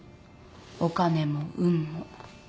お金も運も。